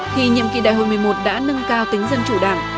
thì nhiệm kỳ đại hội một mươi một đã nâng cao tính dân chủ đảng